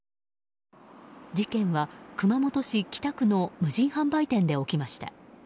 事件は熊本市北区の無人販売店で起きました。